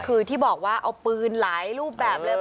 คือที่บอกว่าเอาปืนหลายรูปแบบเลย